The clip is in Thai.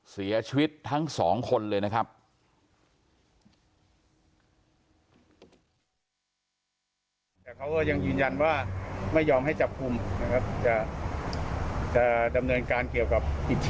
เสียชีวิตทั้งสองคนเลยนะครับ